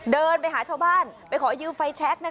เดินไปหาชาวบ้านไปขอยืมไฟแชค